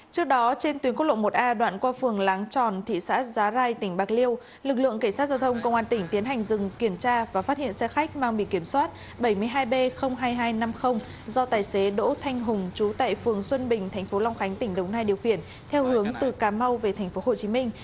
trước đó trên tuyến quốc lộ một a đoạn qua phường láng tròn thị xã giá rai tỉnh bạc liêu lực lượng cảnh sát giao thông công an tỉnh tiến hành dừng kiểm tra và phát hiện xe khách mang bị kiểm soát bảy mươi hai b hai nghìn hai trăm năm mươi do tài xế đỗ thanh hùng trú tại phường xuân bình thành phố long khánh tỉnh đồng nai điều khiển theo hướng từ cà mau về thành phố hồ chí minh